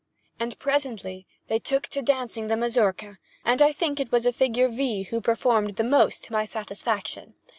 And presently they took to dancing the Mazurka, and I think it was the figure V. who performed the most to my satisfaction.